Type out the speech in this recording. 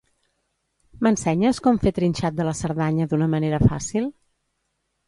M'ensenyes com fer trinxat de la Cerdanya d'una manera fàcil?